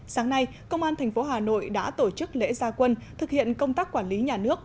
sáng nay công an tp hà nội đã tổ chức lễ gia quân thực hiện công tác quản lý nhà nước